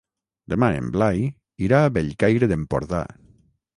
Demà en Blai irà a Bellcaire d'Empordà.